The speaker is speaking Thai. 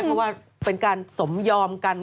เพราะว่าเป็นการสมยอมกัน